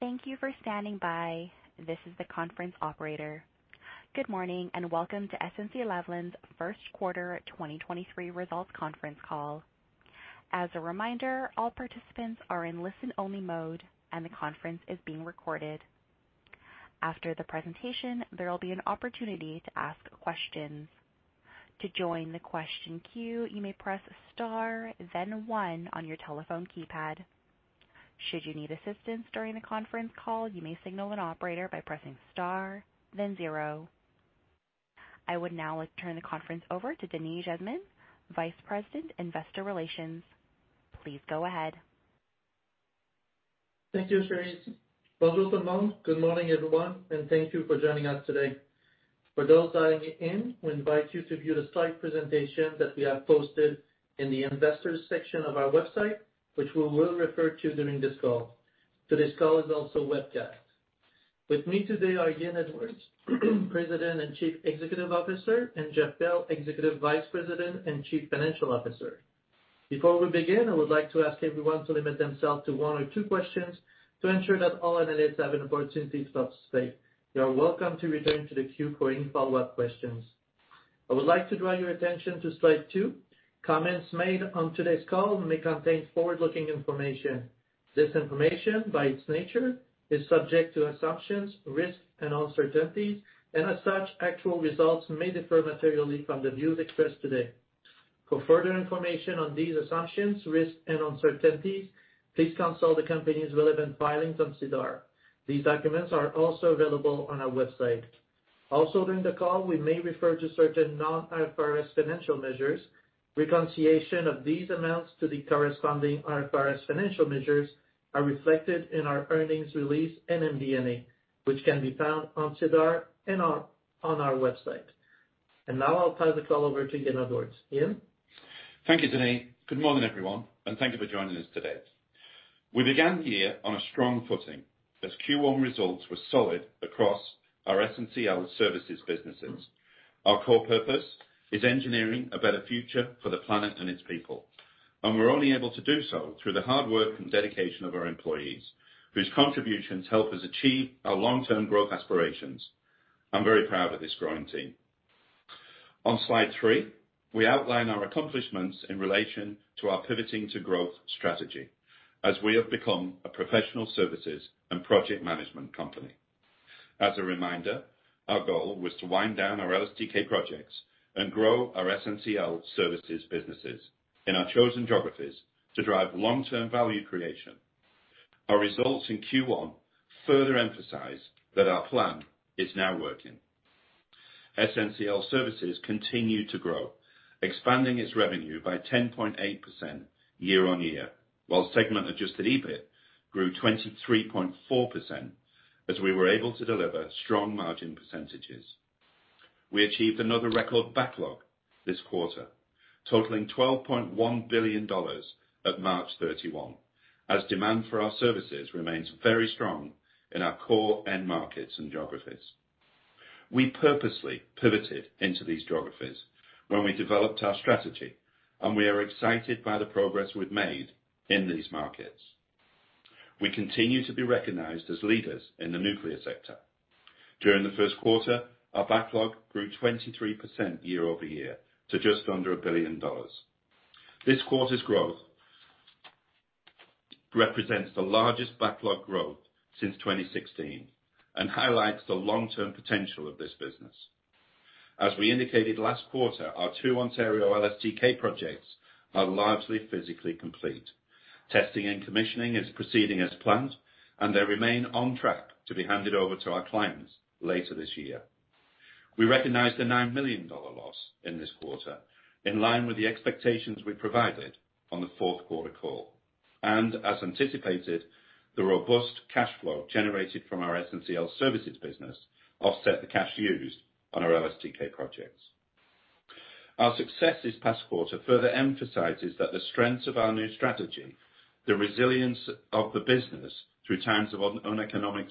Thank you for standing by. This is the conference operator. Good morning, and welcome to SNC-Lavalin's first quarter 2023 results conference call. As a reminder, all participants are in listen-only mode and the conference is being recorded. After the presentation, there will be an opportunity to ask questions. To join the question queue, you may press star then one on your telephone keypad. Should you need assistance during the conference call, you may signal an operator by pressing star then zero. I would now like to turn the conference over to Denis Jasmin, Vice President, Investor Relations. Please go ahead. Thank you, Cherise. Bonjour tout le monde. Good morning, everyone. Thank you for joining us today. For those dialing in, we invite you to view the slide presentation that we have posted in the investors section of our website, which we will refer to during this call. Today's call is also webcast. With me today are Ian Edwards, President and Chief Executive Officer, and Jeff Bell, Executive Vice President and Chief Financial Officer. Before we begin, I would like to ask everyone to limit themselves to one or two questions to ensure that all analysts have an opportunity to speak. You are welcome to return to the queue for any follow-up questions. I would like to draw your attention to slide 2. Comments made on today's call may contain forward-looking information. This information, by its nature, is subject to assumptions, risks, and uncertainties, as such, actual results may differ materially from the views expressed today. For further information on these assumptions, risks, and uncertainties, please consult the company's relevant filings on SEDAR. These documents are also available on our website. Also, during the call, we may refer to certain non-IFRS financial measures. Reconciliation of these amounts to the corresponding IFRS financial measures are reflected in our earnings release and MD&A, which can be found on SEDAR on our website. Now I'll pass the call over to Ian Edwards. Ian? Thank you, Denis. Good morning, everyone. Thank you for joining us today. We began the year on a strong footing as Q1 results were solid across our SNCL Services businesses. Our core purpose is engineering a better future for the planet and its people. We're only able to do so through the hard work and dedication of our employees, whose contributions help us achieve our long-term growth aspirations. I'm very proud of this growing team. On slide 3, we outline our accomplishments in relation to our Pivoting to Growth strategy as we have become a professional services and project management company. As a reminder, our goal was to wind down our LSTK projects and grow our SNCL Services businesses in our chosen geographies to drive long-term value creation. Our results in Q1 further emphasize that our plan is now working. SNCL services continued to grow, expanding its revenue by 10.8% year-over-year, while segment-adjusted EBIT grew 23.4% as we were able to deliver strong margin percentages. We achieved another record backlog this quarter, totaling 12.1 billion dollars at March 31, as demand for our services remains very strong in our core end markets and geographies. We purposely pivoted into these geographies when we developed our strategy, and we are excited by the progress we've made in these markets. We continue to be recognized as leaders in the nuclear sector. During the first quarter, our backlog grew 23% year-over-year to just under 1 billion dollars. This quarter's growth represents the largest backlog growth since 2016 and highlights the long-term potential of this business. As we indicated last quarter, our two Ontario LSTK projects are largely physically complete. Testing and commissioning is proceeding as planned, and they remain on track to be handed over to our clients later this year. We recognized a 9 million dollar loss in this quarter in line with the expectations we provided on the fourth quarter call. As anticipated, the robust cash flow generated from our SNCL Services business offset the cash used on our LSTK projects. Our success this past quarter further emphasizes that the strengths of our new strategy, the resilience of the business through times of uneconomic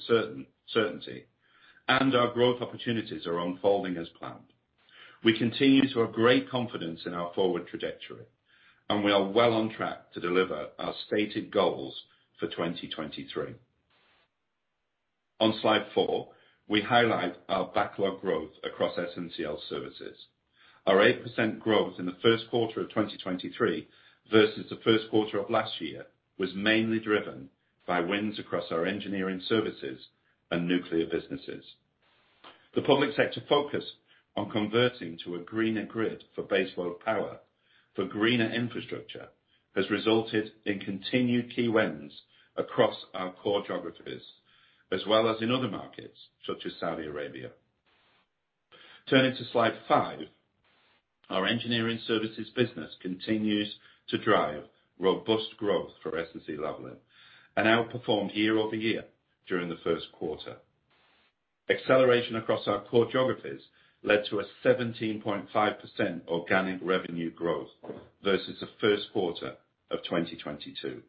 certainty, and our growth opportunities are unfolding as planned. We continue to have great confidence in our forward trajectory, and we are well on track to deliver our stated goals for 2023. On slide 4, we highlight our backlog growth across SNCL Services. Our 8% growth in the first quarter of 2023 versus the first quarter of last year was mainly driven by wins across our engineering services and nuclear businesses. The public sector focus on converting to a greener grid for baseload power for greener infrastructure has resulted in continued key wins across our core geographies, as well as in other markets, such as Saudi Arabia. Turning to slide 5. Our engineering services business continues to drive robust growth for SNC-Lavalin and outperformed year-over-year during the first quarter. Acceleration across our core geographies led to a 17.5% organic revenue growth versus the first quarter of 2022.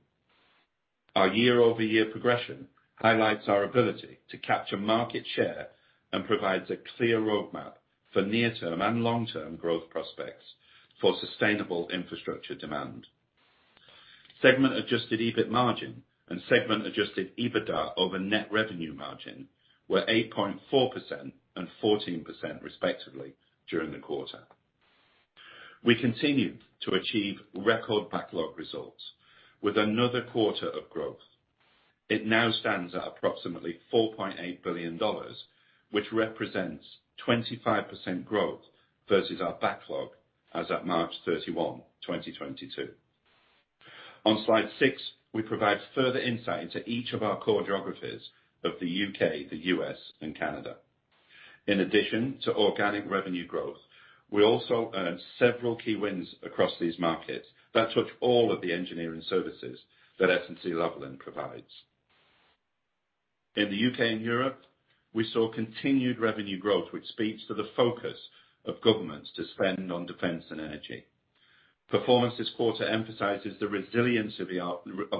Our year-over-year progression highlights our ability to capture market share and provides a clear roadmap for near-term and long-term growth prospects for sustainable infrastructure demand. Segment adjusted EBIT margin and segment adjusted EBITDA over net revenue margin were 8.4% and 14% respectively during the quarter. We continued to achieve record backlog results with another quarter of growth. It now stands at approximately 4.8 billion dollars, which represents 25% growth versus our backlog as at March 31, 2022. On slide 6, we provide further insight into each of our core geographies of the U.K., the U.S., and Canada. In addition to organic revenue growth, we also earned several key wins across these markets that touch all of the engineering services that SNC-Lavalin provides. In the U.K. and Europe, we saw continued revenue growth, which speaks to the focus of governments to spend on defense and energy. Performance this quarter emphasizes the resilience of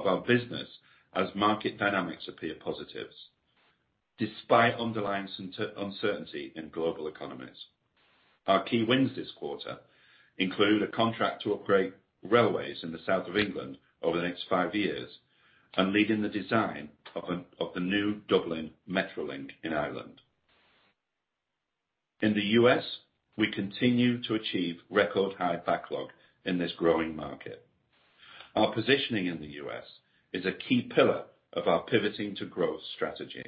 our business as market dynamics appear positives, despite underlying uncertainty in global economies. Our key wins this quarter include a contract to upgrade railways in the South of England over the next five years, and leading the design of the new Dublin MetroLink in Ireland. In the U.S., we continue to achieve record high backlog in this growing market. Our positioning in the U.S. is a key pillar of our Pivoting to Growth strategy.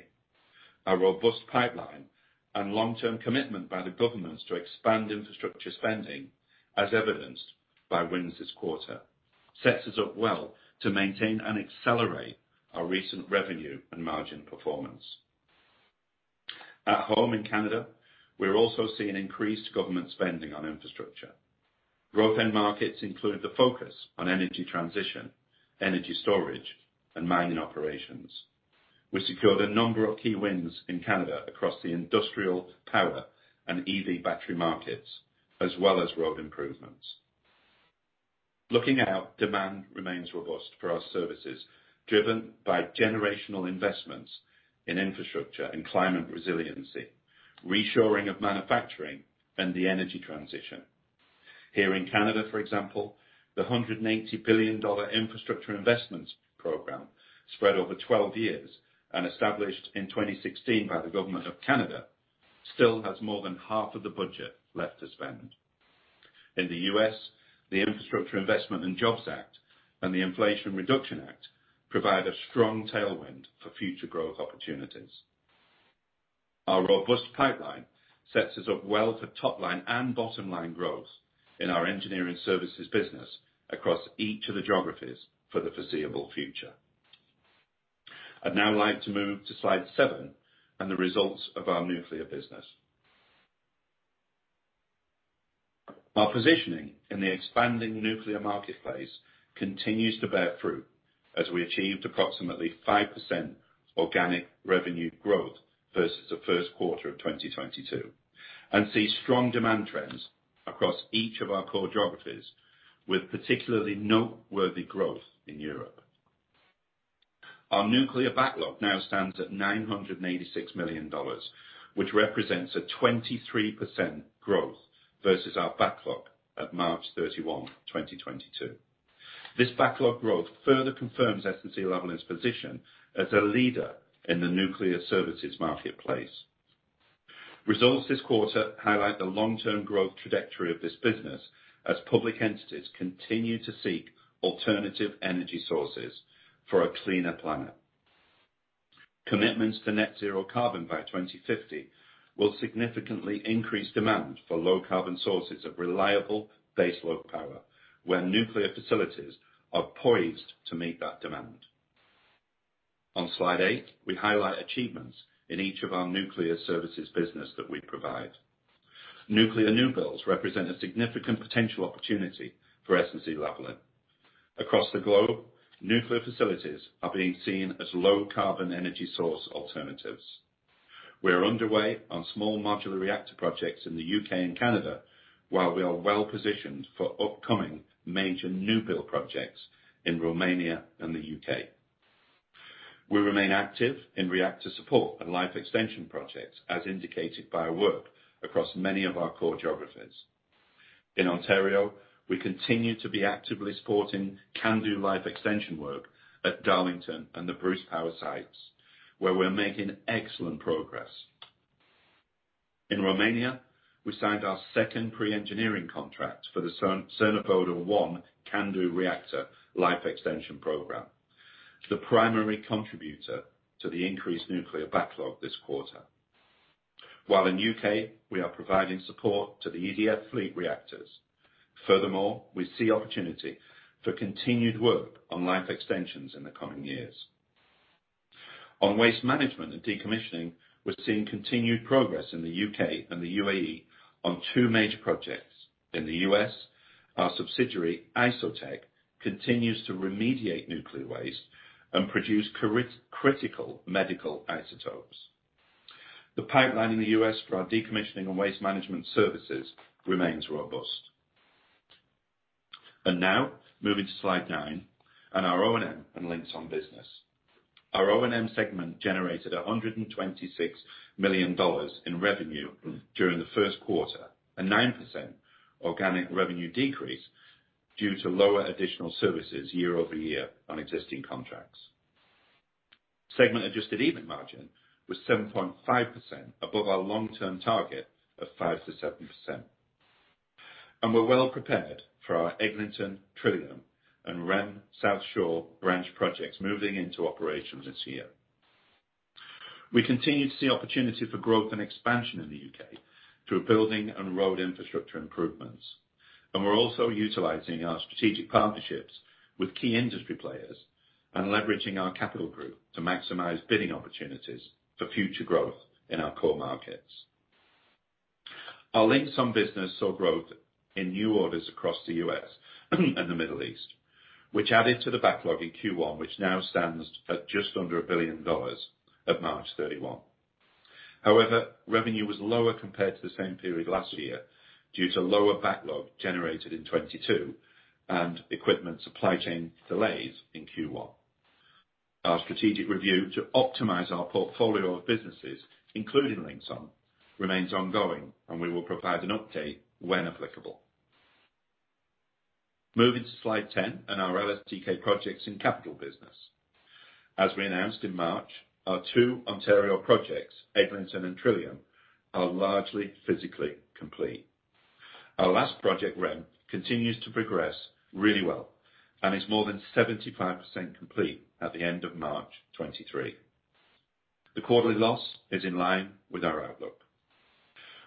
Our robust pipeline and long-term commitment by the governments to expand infrastructure spending, as evidenced by wins this quarter, sets us up well to maintain and accelerate our recent revenue and margin performance. At home in Canada, we're also seeing increased government spending on infrastructure. Growth end markets include the focus on energy transition, energy storage, and mining operations. We secured a number of key wins in Canada across the industrial, power, and EV battery markets, as well as road improvements. Looking out, demand remains robust for our services, driven by generational investments in infrastructure and climate resiliency, reshoring of manufacturing, and the energy transition. Here in Canada, for example, the 180 billion dollar infrastructure investments program, spread over 12 years and established in 2016 by the Government of Canada, still has more than half of the budget left to spend. In the U.S., the Infrastructure Investment and Jobs Act and the Inflation Reduction Act provide a strong tailwind for future growth opportunities. Our robust pipeline sets us up well for top line and bottom line growth in our engineering services business across each of the geographies for the foreseeable future. I'd now like to move to slide 7 and the results of our nuclear business. Our positioning in the expanding nuclear marketplace continues to bear fruit as we achieved approximately 5% organic revenue growth versus the first quarter of 2022, and see strong demand trends across each of our core geographies, with particularly noteworthy growth in Europe. Our nuclear backlog now stands at 986 million dollars, which represents a 23% growth versus our backlog at March 31, 2022. This backlog growth further confirms SNC-Lavalin's position as a leader in the nuclear services marketplace. Results this quarter highlight the long-term growth trajectory of this business as public entities continue to seek alternative energy sources for a cleaner planet. Commitments to net zero carbon by 2050 will significantly increase demand for low carbon sources of reliable baseload power, where nuclear facilities are poised to meet that demand. On slide 8, we highlight achievements in each of our nuclear services business that we provide. Nuclear new builds represent a significant potential opportunity for SNC-Lavalin. Across the globe, nuclear facilities are being seen as low carbon energy source alternatives. We're underway on small modular reactor projects in the U.K. and Canada, while we are well-positioned for upcoming major new build projects in Romania and the U.K.. We remain active in reactor support and life extension projects as indicated by our work across many of our core geographies. In Ontario, we continue to be actively supporting CANDU life extension work at Darlington and the Bruce Power sites, where we're making excellent progress. In Romania, we signed our second pre-engineering contract for the Cernavoda 1 CANDU reactor life extension program, the primary contributor to the increased nuclear backlog this quarter. While in the U.K., we are providing support to the EDF fleet reactors. Furthermore, we see opportunity for continued work on life extensions in the coming years. On waste management and decommissioning, we're seeing continued progress in the U.K. and the U.A.E. on two major projects. In the U.S., our subsidiary, Isotek, continues to remediate nuclear waste and produce critical medical isotopes. The pipeline in the U.S. for our decommissioning and waste management services remains robust. Moving to slide 9 on our O&M and Linxon business. Our O&M segment generated $126 million in revenue during the first quarter, a 9% organic revenue decrease due to lower additional services year-over-year on existing contracts. Segment adjusted EBIT margin was 7.5% above our long-term target of 5%-7%. We're well prepared for our Eglinton Trillium and REM South Shore Branch projects moving into operations this year. We continue to see opportunity for growth and expansion in the U.K. through building and road infrastructure improvements. We're also utilizing our strategic partnerships with key industry players and leveraging our capital group to maximize bidding opportunities for future growth in our core markets. Our Linxon business saw growth in new orders across the U.S. and the Middle East, which added to the backlog in Q1, which now stands at just under 1 billion dollars at March 31. However, revenue was lower compared to the same period last year due to lower backlog generated in 2022 and equipment supply chain delays in Q1. Our strategic review to optimize our portfolio of businesses, including Linxon, remains ongoing, and we will provide an update when applicable. Moving to slide 10 on our LSTK Projects and Capital business. As we announced in March, our two Ontario projects, Eglinton and Trillium, are largely physically complete. Our last project, REM, continues to progress really well and is more than 75% complete at the end of March 2023. The quarterly loss is in line with our outlook.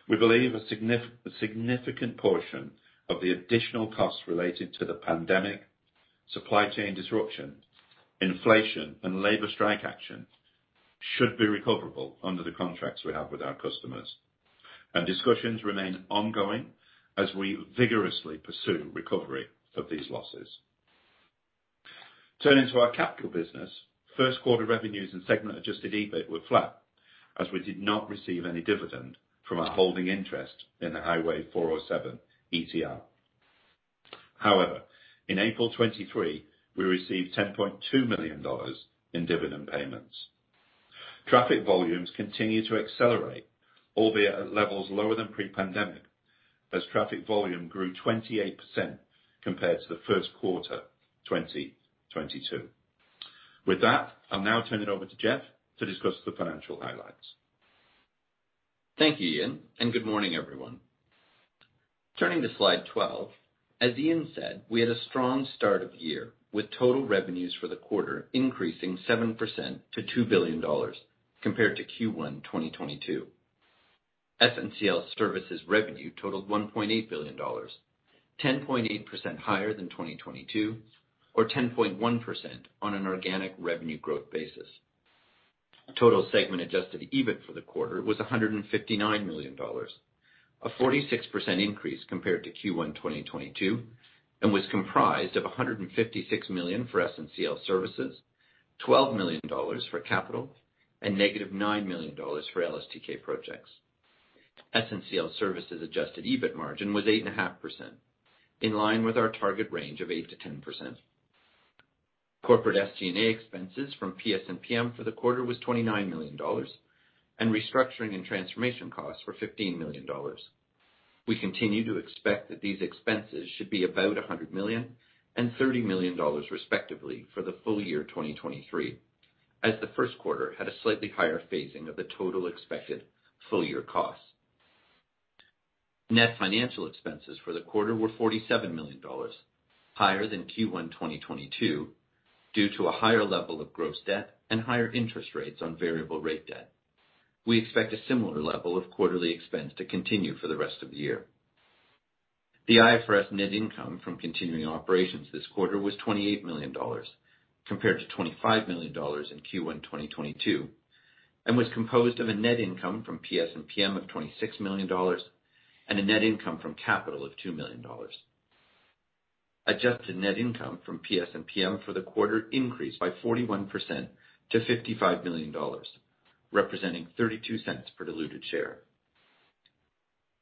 We believe a significant portion of the additional costs related to the pandemic, supply chain disruption, inflation, and labor strike action should be recoverable under the contracts we have with our customers. Discussions remain ongoing as we vigorously pursue recovery of these losses. Turning to our capital business. First quarter revenues and segment adjusted EBIT were flat, as we did not receive any dividend from our holding interest in the Highway 407 ETR. However, in April 2023, we received 10.2 million dollars in dividend payments. Traffic volumes continue to accelerate, albeit at levels lower than pre-pandemic, as traffic volume grew 28% compared to the first quarter 2022. With that, I'll now turn it over to Jeff to discuss the financial highlights. Thank you, Ian. Good morning, everyone. Turning to slide 12, as Ian said, we had a strong start of year with total revenues for the quarter increasing 7% to 2 billion dollars compared to Q1 2022. SNCL Services revenue totaled 1.8 billion dollars, 10.8% higher than 2022 or 10.1% on an organic revenue growth basis. Total segment adjusted EBIT for the quarter was 159 million dollars, a 46% increase compared to Q1 2022, and was comprised of 156 million for SNCL Services, 12 million dollars for Capital, and -9 million dollars for LSTK Projects. SNCL Services adjusted EBIT margin was 8.5%, in line with our target range of 8%-10%. Corporate SG&A expenses from PSMPM for the quarter was 29 million dollars, and restructuring and transformation costs were 15 million dollars. We continue to expect that these expenses should be about 100 million and 30 million dollars respectively for the full year 2023, as the first quarter had a slightly higher phasing of the total expected full year costs. Net financial expenses for the quarter were 47 million dollars, higher than Q1 2022, due to a higher level of gross debt and higher interest rates on variable rate debt. We expect a similar level of quarterly expense to continue for the rest of the year. The IFRS net income from continuing operations this quarter was 28 million dollars compared to 25 million dollars in Q1 2022, and was composed of a net income from PSMPM of 26 million dollars and a net income from Capital of 2 million dollars. Adjusted net income from PSMPM for the quarter increased by 41% to 55 million dollars, representing 0.32 per diluted share.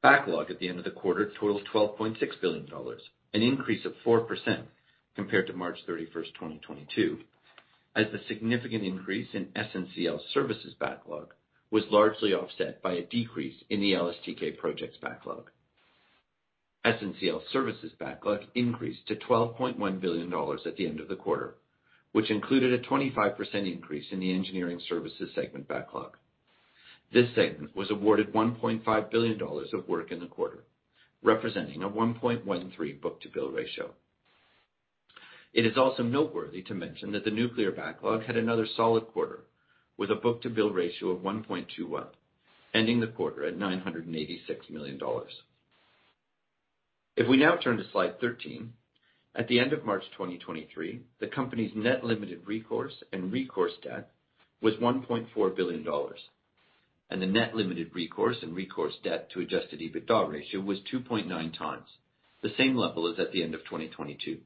Backlog at the end of the quarter totals 12.6 billion dollars, an increase of 4% compared to March 31st, 2022, as the significant increase in SNCL Services backlog was largely offset by a decrease in the LSTK Projects backlog. SNCL Services backlog increased to 12.1 billion dollars at the end of the quarter, which included a 25% increase in the engineering services segment backlog. This segment was awarded 1.5 billion dollars of work in the quarter, representing a 1.13 book-to-bill ratio. It is also noteworthy to mention that the nuclear backlog had another solid quarter with a book-to-bill ratio of 1.21, ending the quarter at 986 million dollars. If we now turn to slide 13, at the end of March 2023, the company's net limited recourse and recourse debt was 1.4 billion dollars, and the net limited recourse and recourse debt to adjusted EBITDA ratio was 2.9 times, the same level as at the end of 2022.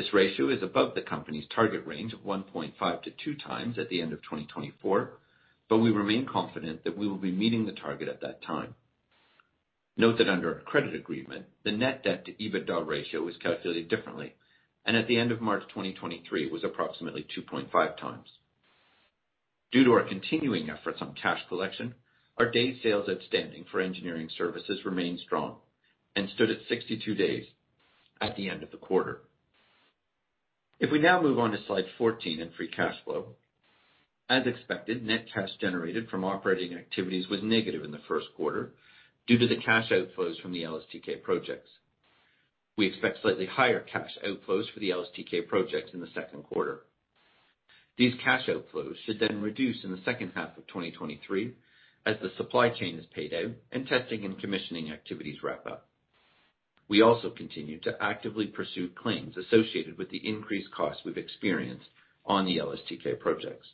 This ratio is above the company's target range of 1.5-2 times at the end of 2024, but we remain confident that we will be meeting the target at that time. Note that under our credit agreement, the net debt to EBITDA ratio is calculated differently, and at the end of March 2023, it was approximately 2.5 times. Due to our continuing efforts on cash collection, our day sales outstanding for engineering services remained strong and stood at 62 days at the end of the quarter. If we now move on to slide 14 in free cash flow. As expected, net cash generated from operating activities was negative in the first quarter due to the cash outflows from the LSTK projects. We expect slightly higher cash outflows for the LSTK projects in the second quarter. These cash outflows should reduce in the second half of 2023 as the supply chain is paid out and testing and commissioning activities wrap up. We also continue to actively pursue claims associated with the increased costs we've experienced on the LSTK projects.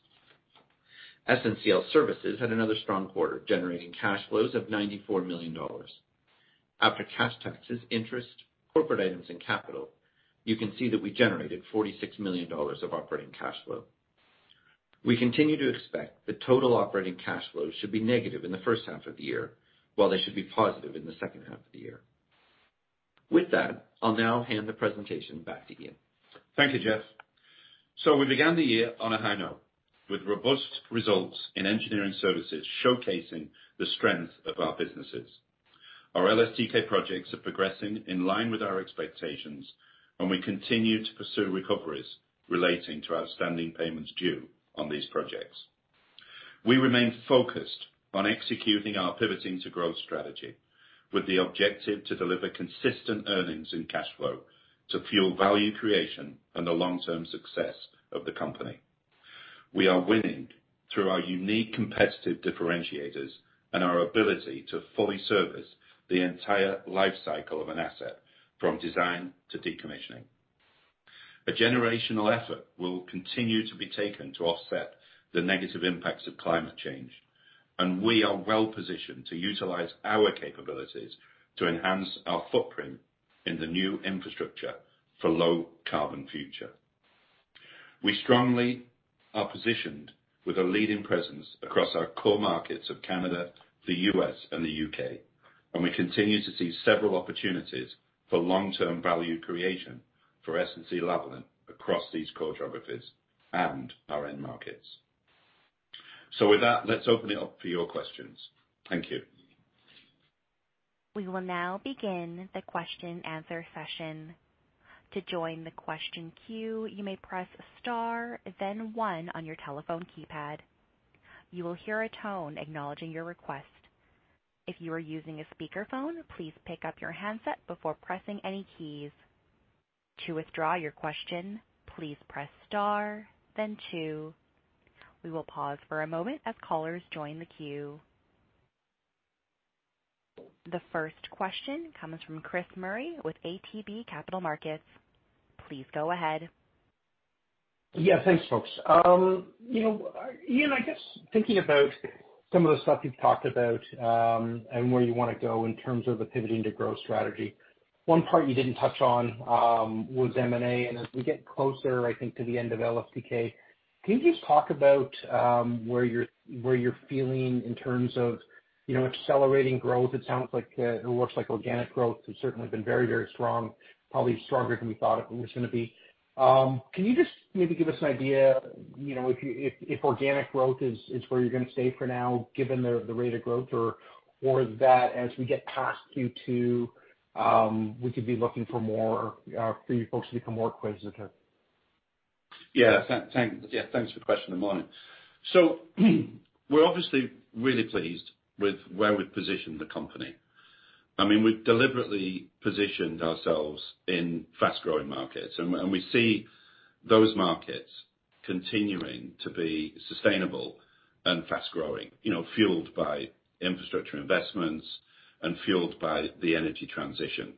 SNCL Services had another strong quarter, generating cash flows of 94 million dollars. After cash taxes, interest, corporate items, and capital, you can see that we generated 46 million dollars of operating cash flow. We continue to expect that total operating cash flows should be negative in the first half of the year, while they should be positive in the second half of the year. With that, I'll now hand the presentation back to Ian. Thank you, Jeff. We began the year on a high note, with robust results in engineering services showcasing the strength of our businesses. Our LSTK projects are progressing in line with our expectations, and we continue to pursue recoveries relating to outstanding payments due on these projects. We remain focused on executing our Pivoting to Growth strategy with the objective to deliver consistent earnings and cash flow to fuel value creation and the long-term success of the company. We are winning through our unique competitive differentiators and our ability to fully service the entire life cycle of an asset, from design to decommissioning. A generational effort will continue to be taken to offset the negative impacts of climate change, and we are well-positioned to utilize our capabilities to enhance our footprint in the new infrastructure for low carbon future. We strongly are positioned with a leading presence across our core markets of Canada, the U.S., and the U.K., and we continue to see several opportunities for long-term value creation for SNC-Lavalin across these core geographies and our end markets. With that, let's open it up for your questions. Thank you. We will now begin the question-and-answer session. To join the question queue, you may press star then one on your telephone keypad. You will hear a tone acknowledging your request. If you are using a speakerphone, please pick up your handset before pressing any keys. To withdraw your question, please press star then two. We will pause for a moment as callers join the queue. The first question comes from Chris Murray with ATB Capital Markets. Please go ahead. Yeah, thanks, folks. You know, Ian, I guess thinking about some of the stuff you've talked about, and where you wanna go in terms of the Pivoting to Growth strategy, one part you didn't touch on, was M&A. As we get closer, I think to the end of LSTK, can you just talk about where you're feeling in terms of, you know, accelerating growth? It sounds like it looks like organic growth has certainly been very, very strong, probably stronger than we thought it was gonna be. Can you just maybe give us an idea, you know, if organic growth is where you're gonna stay for now, given the rate of growth or is that, as we get past Q2, we could be looking for more for you folks to become more acquisitive? Yeah, thanks for the question. Good morning. We're obviously really pleased with where we've positioned the company. I mean, we've deliberately positioned ourselves in fast-growing markets and we see those markets continuing to be sustainable and fast-growing, you know, fueled by infrastructure investments and fueled by the energy transition.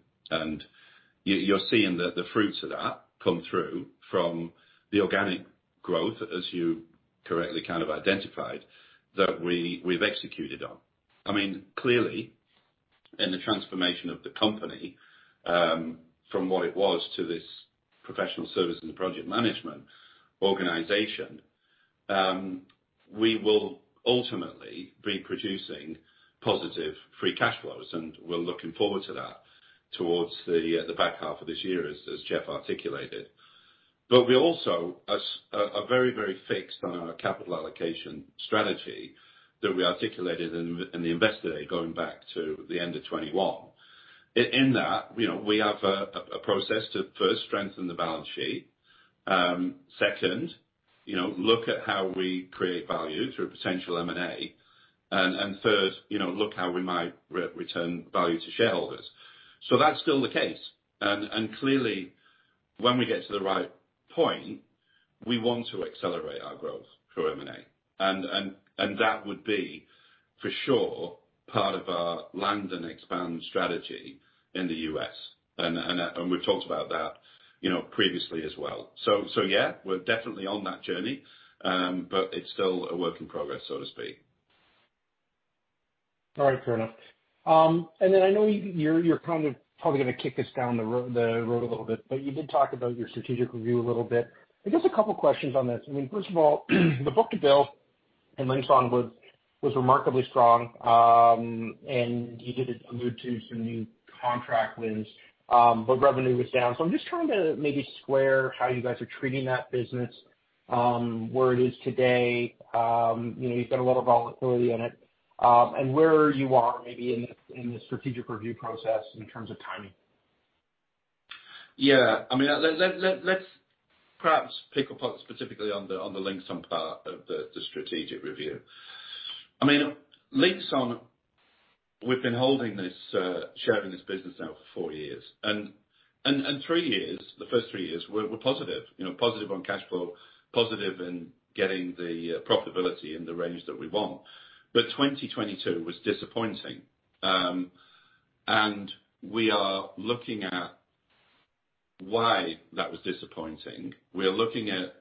You're seeing the fruits of that come through from the organic growth, as you correctly kind of identified, that we've executed on. I mean, clearly, in the transformation of the company from what it was to this professional service and project management organization, we will ultimately be producing positive free cash flows, and we're looking forward to that towards the back half of this year, as Jeff articulated. We also as are very, very fixed on our capital allocation strategy that we articulated in the Investor Day, going back to the end of 2021. In that, you know, we have a process to first strengthen the balance sheet. Second, you know, look at how we create value through potential M&A. Third, you know, look how we might re-return value to shareholders. That's still the case. Clearly, when we get to the right point, we want to accelerate our growth through M&A, and that would be, for sure, part of our land and expand strategy in the U.S.. That and we've talked about that, you know, previously as well. Yeah, we're definitely on that journey, but it's still a work in progress, so to speak. All right, fair enough. I know you're kind of probably gonna kick us down the road a little bit, but you did talk about your strategic review a little bit. I guess a couple questions on this. I mean, first of all, the book-to-bill in Linxon was remarkably strong, and you did allude to some new contract wins, but revenue was down. I'm just trying to maybe square how you guys are treating that business, where it is today, you know, you've got a lot of volatility in it, and where you are maybe in the strategic review process in terms of timing. I mean, let's perhaps pick apart specifically on the Linxon part of the strategic review. I mean, Linxon, we've been holding this, sharing this business now for four years. Three years, the first three years were positive, you know, positive on cash flow, positive in getting the profitability in the range that we want. 2022 was disappointing. We are looking at why that was disappointing. We are looking at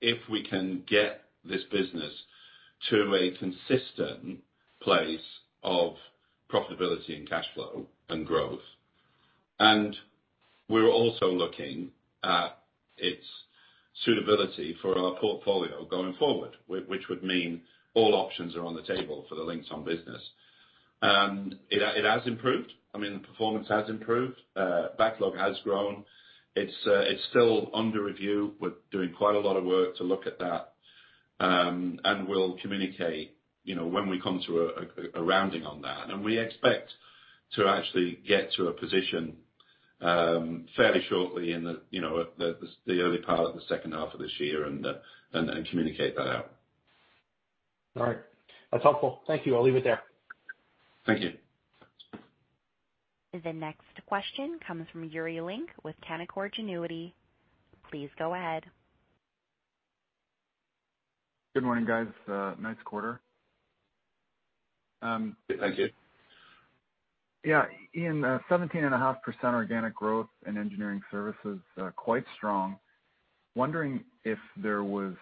if we can get this business to a consistent place of profitability and cash flow and growth. We're also looking at its suitability for our portfolio going forward, which would mean all options are on the table for the Linxon business. It has improved. I mean, the performance has improved, backlog has grown. It's still under review. We're doing quite a lot of work to look at that, and we'll communicate, you know, when we come to a rounding on that. We expect to actually get to a position, fairly shortly in the, you know, at the early part of the second half of this year and communicate that out. All right. That's helpful. Thank you. I'll leave it there. Thank you. The next question comes from Yuri Lynk with Canaccord Genuity. Please go ahead. Good morning, guys, nice quarter. Thank you. Yeah. Ian, 17.5% organic growth in engineering services are quite strong. Wondering if there was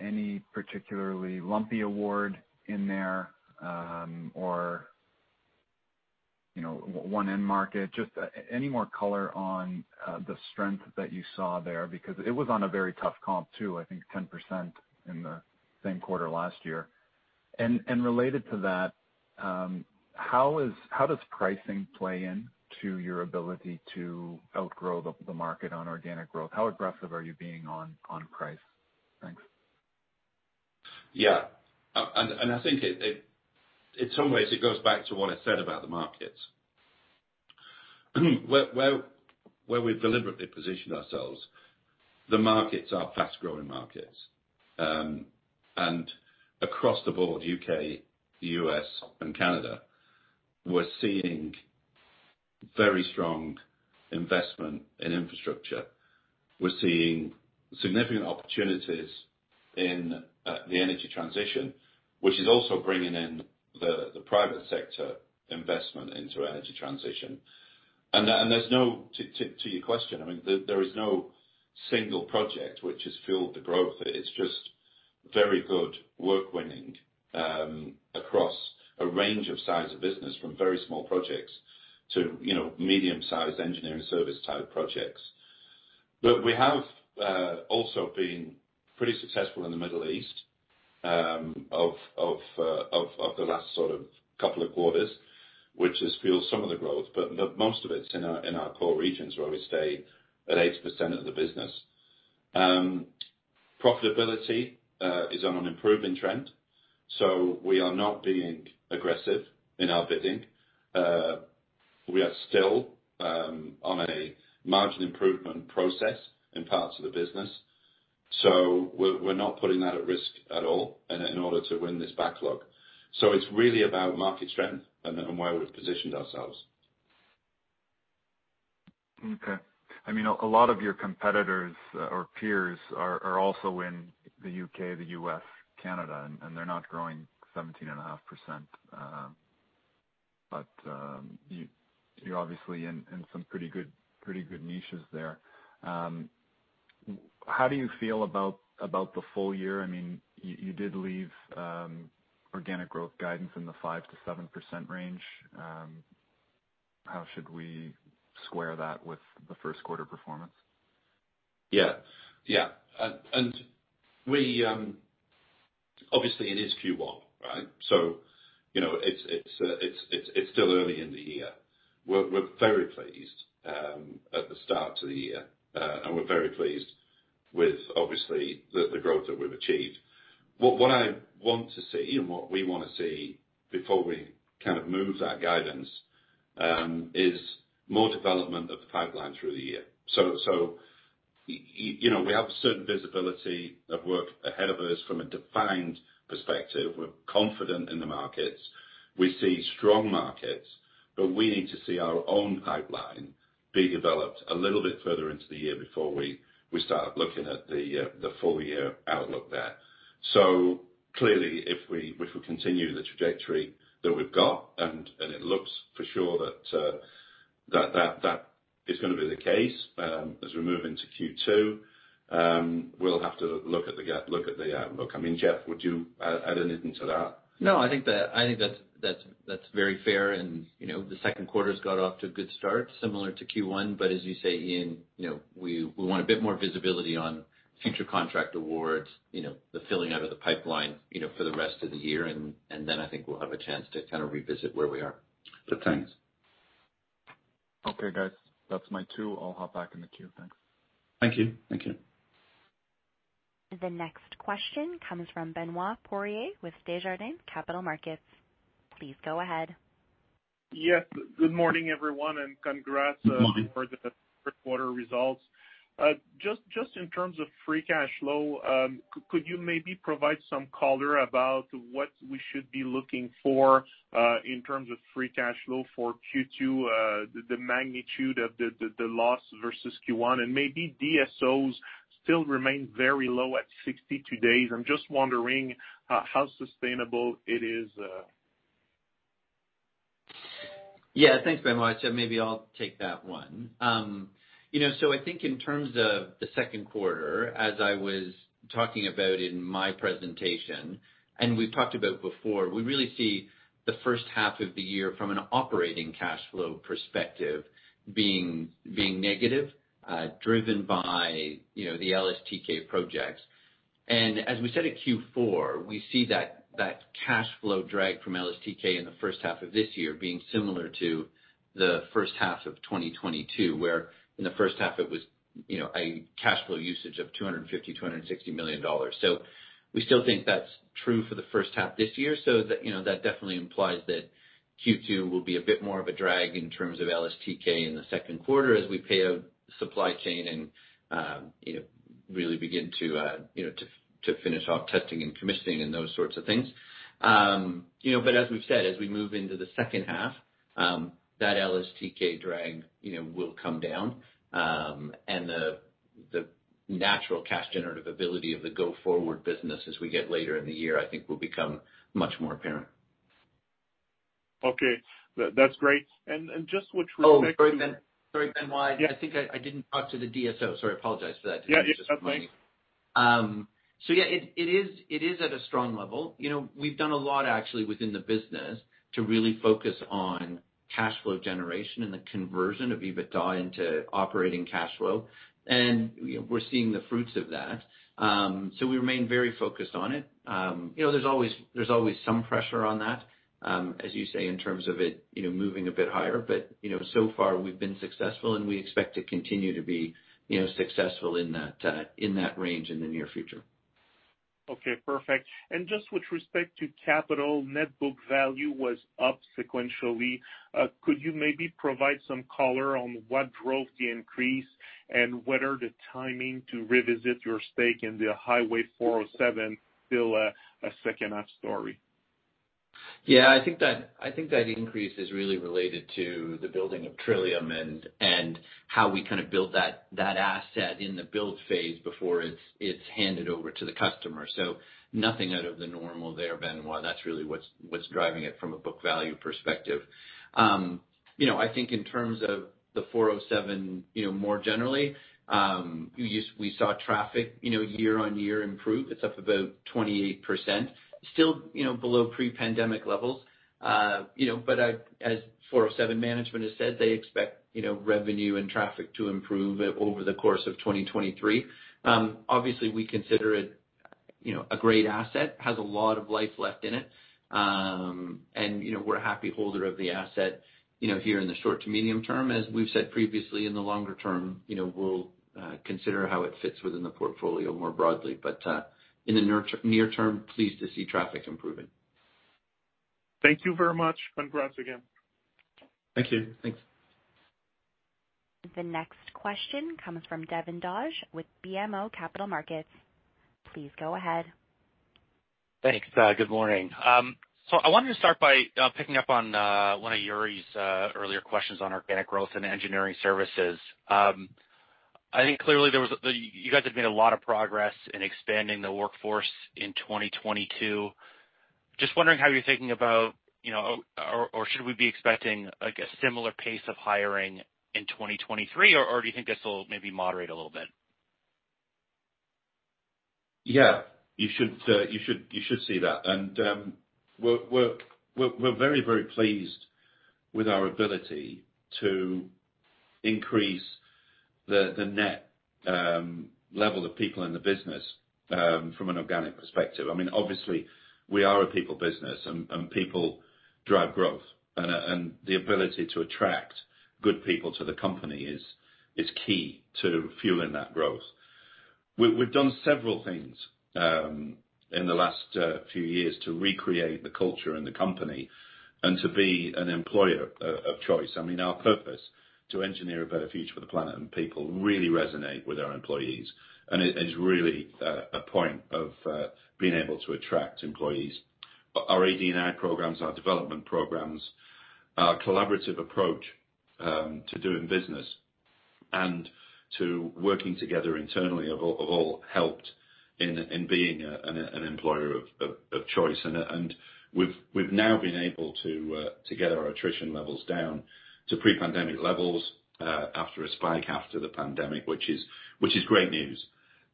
any particularly lumpy award in there, or, you know, one end market, just any more color on the strength that you saw there, because it was on a very tough comp too, I think 10% in the same quarter last year. Related to that, how does pricing play into your ability to outgrow the market on organic growth? How aggressive are you being on price? Thanks. Yeah. And I think it, in some ways it goes back to what I said about the markets. Where we've deliberately positioned ourselves, the markets are fast-growing markets. Across the board, U.K., the U.S. and Canada, we're seeing very strong investment in infrastructure. We're seeing significant opportunities in the energy transition, which is also bringing in the private sector investment into energy transition. To your question, I mean, there is no single project which has fueled the growth. It is just very good work winning across a range of size of business from very small projects to, you know, medium sized engineering service type projects. We have also been pretty successful in the Middle East of the last sort of couple of quarters, which has fueled some of the growth. Most of it's in our core regions where we stay at 8% of the business. Profitability is on an improving trend, so we are not being aggressive in our bidding. We are still on a margin improvement process in parts of the business. We're not putting that at risk at all in order to win this backlog. It's really about market strength and where we've positioned ourselves. Okay. I mean, a lot of your competitors or peers are also in the U.K., the U.S., Canada, and they're not growing 17.5%. You're obviously in some pretty good, pretty good niches there. How do you feel about the full year? I mean, you did leave organic growth guidance in the 5%-7% range. How should we square that with the first quarter performance? Yeah. Yeah. We, obviously it is Q1, right? You know, it's still early in the year. We're very pleased at the start to the year, and we're very pleased with obviously the growth that we've achieved. What I want to see, and what we wanna see before we kind of move that guidance, is more development of the pipeline through the year. You know, we have a certain visibility of work ahead of us from a defined perspective. We're confident in the markets. We see strong markets, but we need to see our own pipeline be developed a little bit further into the year before we start looking at the full year outlook there. Clearly if we continue the trajectory that we've got and it looks for sure that. That is going to be the case, as we move into Q2. We'll have to look at the gap, look at the. Look, I mean, Jeff, would you add anything to that? I think that's very fair and, you know, the second quarter's got off to a good start, similar to Q1. As you say, Ian, you know, we want a bit more visibility on future contract awards, you know, the filling out of the pipeline, you know, for the rest of the year. I think we'll have a chance to kind of revisit where we are. Thanks. Okay, guys. That's my two. I'll hop back in the queue. Thanks. Thank you. Thank you. The next question comes from Benoit Poirier with Desjardins Capital Markets. Please go ahead. Yes. Good morning, everyone, and congrats, Good morning.... for the first quarter results. Just in terms of free cash flow, could you maybe provide some color about what we should be looking for in terms of free cash flow for Q2, the magnitude of the loss versus Q1? Maybe DSOs still remain very low at 62 days. I'm just wondering how sustainable it is? Yeah, thanks very much. Maybe I'll take that one. you know, I think in terms of the second quarter, as I was talking about in my presentation, and we've talked about before, we really see the first half of the year from an operating cash flow perspective being negative, driven by, you know, the LSTK projects. As we said at Q4, we see that cash flow drag from LSTK in the first half of this year being similar to the first half of 2022, where in the first half it was, you know, a cash flow usage of 250 million-260 million dollars. We still think that's true for the first half this year, so that, you know, that definitely implies that Q2 will be a bit more of a drag in terms of LSTK in the second quarter as we pay a supply chain and, you know, really begin to, you know, to finish off testing and commissioning and those sorts of things. You know, but as we've said, as we move into the second half, that LSTK drag, you know, will come down, and the natural cash generative ability of the go-forward business as we get later in the year, I think will become much more apparent. Okay. That's great. Just with respect to- Oh, sorry, Ben. Sorry, Benoit. Yeah. I think I didn't talk to the DSO. Sorry, I apologize for that. Yeah. That's fine. Yeah, it is at a strong level. You know, we've done a lot actually within the business to really focus on cash flow generation and the conversion of EBITDA into operating cash flow. You know, we're seeing the fruits of that. We remain very focused on it. You know, there's always some pressure on that, as you say, in terms of it, you know, moving a bit higher. You know, so far we've been successful and we expect to continue to be, you know, successful in that range in the near future. Okay, perfect. Just with respect to capital, net book value was up sequentially. Could you maybe provide some color on what drove the increase and whether the timing to revisit your stake in the Highway 407 still a second half story? I think that increase is really related to the building of Trillium and how we kind of build that asset in the build phase before it's handed over to the customer. Nothing out of the normal there, Benoit. That's really what's driving it from a book value perspective. You know, I think in terms of the 407, you know, more generally, we saw traffic, you know, year on year improve. It's up about 28%. Still, you know, below pre-pandemic levels. You know, but as 407 management has said, they expect, you know, revenue and traffic to improve over the course of 2023. Obviously, we consider it, you know, a great asset. Has a lot of life left in it. You know, we're a happy holder of the asset, you know, here in the short to medium term. As we've said previously, in the longer term, you know, we'll consider how it fits within the portfolio more broadly. In the near term, pleased to see traffic improving. Thank you very much. Congrats again. Thank you. Thanks. The next question comes from Devin Dodge with BMO Capital Markets. Please go ahead. Thanks. Good morning. I wanted to start by picking up on one of Yuri's earlier questions on organic growth and engineering services. I think clearly You guys have made a lot of progress in expanding the workforce in 2022. Just wondering how you're thinking about, you know, or should we be expecting, like a similar pace of hiring in 2023, or do you think this will maybe moderate a little bit? Yeah. You should see that. We're very pleased with our ability to increase the net level of people in the business from an organic perspective. I mean, obviously, we are a people business and people drive growth and the ability to attract good people to the company is key to fueling that growth. We've done several things in the last few years to recreate the culture in the company and to be an employer of choice. I mean, our purpose to engineer a better future for the planet and people really resonate with our employees, and it is really a point of being able to attract employees. Our AD9 programs, our development programs, our collaborative approach to doing business. To working together internally have all helped in being an employer of choice. We've now been able to get our attrition levels down to pre-pandemic levels after a spike after the pandemic, which is great news.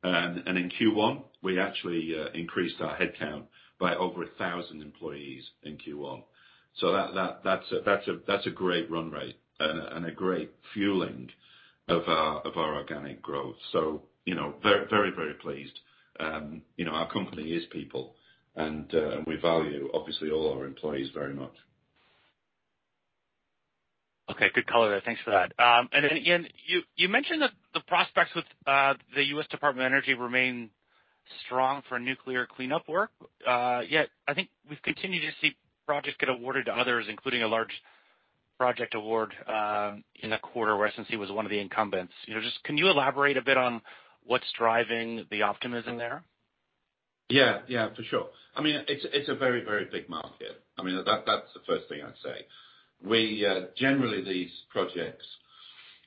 In Q1, we actually increased our headcount by over 1,000 employees in Q1. That's a great run rate and a great fueling of our organic growth. You know, very pleased. You know, our company is people and we value obviously all our employees very much. Okay, good color there. Thanks for that. Then Ian, you mentioned that the prospects with the U.S. Department of Energy remain strong for nuclear cleanup work. I think we've continued to see projects get awarded to others, including a large project award in the quarter where SNC was one of the incumbents. You know, just can you elaborate a bit on what's driving the optimism there? Yeah. Yeah, for sure. I mean, it's a very, very big market. I mean, that's the first thing I'd say. We generally these projects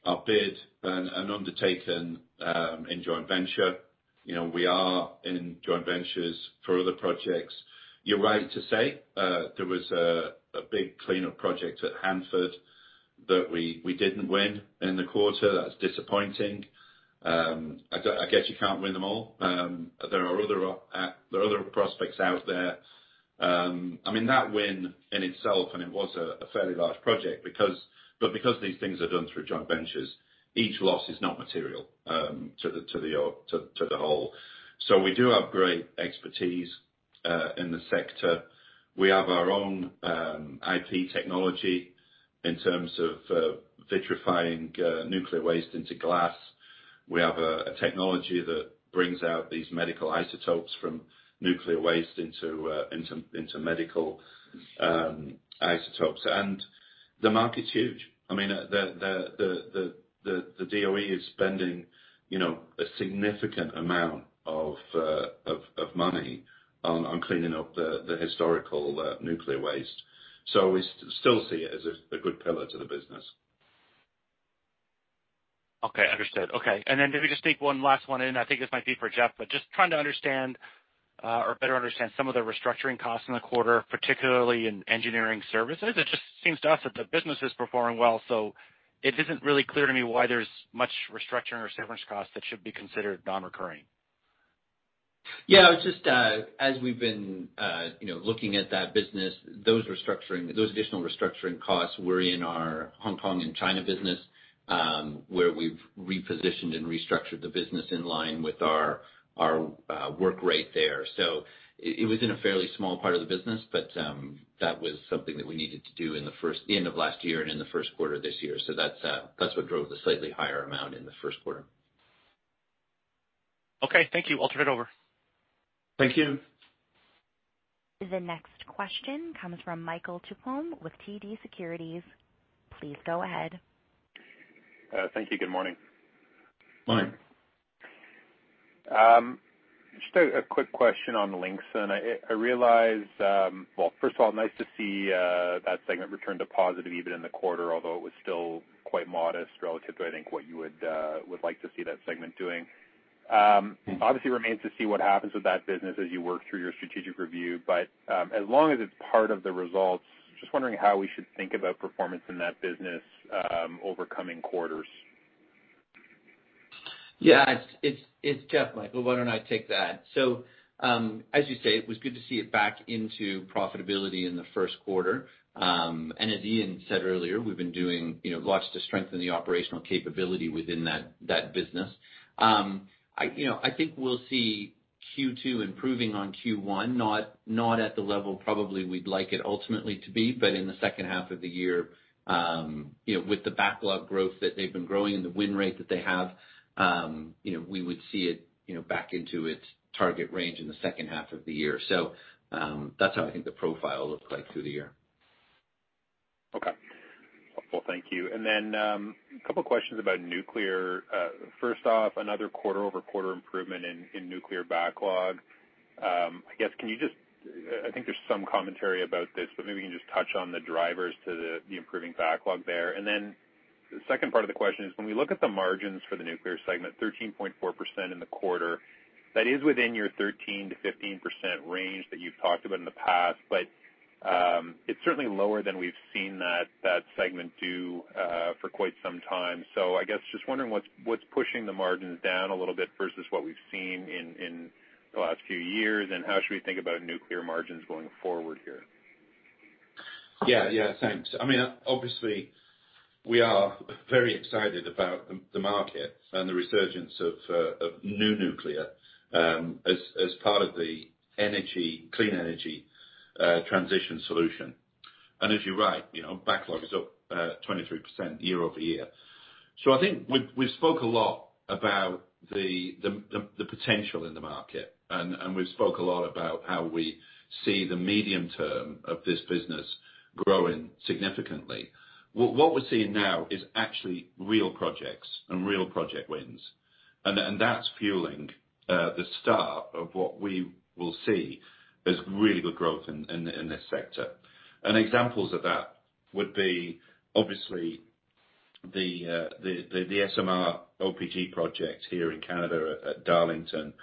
are bid and undertaken in joint venture. You know, we are in joint ventures for other projects. You're right to say there was a big cleanup project at Hanford that we didn't win in the quarter. That's disappointing. I guess you can't win them all. There are other prospects out there. I mean, that win in itself, and it was a fairly large project but because these things are done through joint ventures, each loss is not material to the whole. We do have great expertise in the sector. We have our own IP technology in terms of vitrifying nuclear waste into glass. We have a technology that brings out these medical isotopes from nuclear waste into medical isotopes. The market's huge. I mean, the DOE is spending, you know, a significant amount of money on cleaning up the historical nuclear waste. We still see it as a good pillar to the business. Okay, understood. Okay. If we could sneak one last one in, I think this might be for Jeff, but just trying to understand, or better understand some of the restructuring costs in the quarter, particularly in engineering services. It just seems to us that the business is performing well, so it isn't really clear to me why there's much restructuring or severance costs that should be considered non-recurring. Yeah, it's just, as we've been, you know, looking at that business, those restructuring, those additional restructuring costs were in our Hong Kong and China business, where we've repositioned and restructured the business in line with our, work rate there. It, it was in a fairly small part of the business, but, that was something that we needed to do in the end of last year and in the first quarter this year. That's, that's what drove the slightly higher amount in the first quarter. Okay, thank you. I'll turn it over. Thank you. The next question comes from Michael Tupholme with TD Securities. Please go ahead. Thank you. Good morning. Morning. Just a quick question on Linxon. I realize, well, first of all, nice to see that segment return to positive even in the quarter, although it was still quite modest relative to, I think, what you would like to see that segment doing. Mm-hmm. Obviously remains to see what happens with that business as you work through your strategic review. As long as it's part of the results, just wondering how we should think about performance in that business, over coming quarters? Yeah. It's Jeff Bell, Michael Tupholme. Why don't I take that? As you say, it was good to see it back into profitability in the first quarter. As Ian Edwards said earlier, we've been doing, you know, lots to strengthen the operational capability within that business. I, you know, I think we'll see Q2 improving on Q1, not at the level probably we'd like it ultimately to be, but in the second half of the year, you know, with the backlog growth that they've been growing and the win rate that they have, you know, we would see it, you know, back into its target range in the second half of the year. That's how I think the profile looks like through the year. Okay. Well, thank you. A couple questions about nuclear. First off, another quarter-over-quarter improvement in nuclear backlog. I guess, can you just touch on the drivers to the improving backlog there? The second part of the question is, when we look at the margins for the nuclear segment, 13.4% in the quarter, that is within your 13%-15% range that you've talked about in the past. It's certainly lower than we've seen that segment do for quite some time. I guess just wondering what's pushing the margins down a little bit versus what we've seen in the last few years, and how should we think about nuclear margins going forward here? Yeah. Yeah. Thanks. I mean, obviously, we are very excited about the market and the resurgence of new nuclear as part of the energy, clean energy transition solution. As you're right, you know, backlog is up 23% year-over-year. I think we've spoke a lot about the potential in the market, and we've spoke a lot about how we see the medium term of this business growing significantly. What we're seeing now is actually real projects and real project wins. That's fueling the start of what we will see as really good growth in this sector. Examples of that would be obviously the SMR LSTK project here in Canada at Darlington,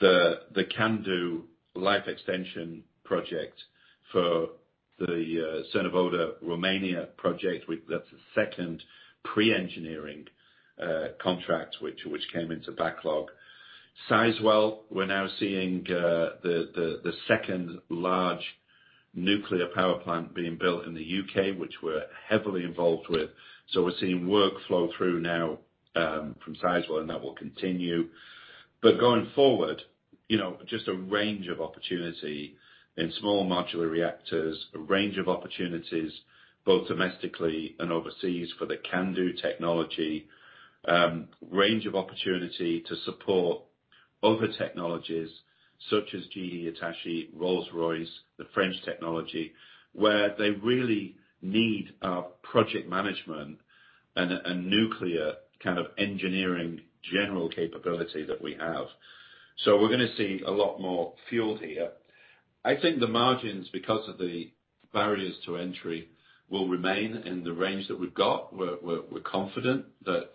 the Candu Life Extension project for the Cernavoda Romania project, that's the second pre-engineering contract which came into backlog. Sizewell, we're now seeing the second large nuclear power plant being built in the U.K., which we're heavily involved with. We're seeing workflow through now from Sizewell, and that will continue. Going forward, you know, just a range of opportunity in small modular reactors, a range of opportunities both domestically and overseas for the Candu technology, range of opportunity to support other technologies such as GE, Hitachi, Rolls-Royce, the French technology, where they really need our project management and nuclear kind of engineering general capability that we have. We're gonna see a lot more fuel here. I think the margins, because of the barriers to entry, will remain in the range that we've got. We're confident that